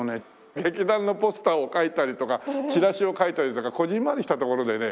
劇団のポスターを描いたりとかチラシを描いたりとかこぢんまりしたところでね。